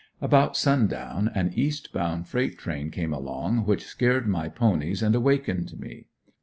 About sundown an east bound freight train came along, which scared my ponies and awakened me.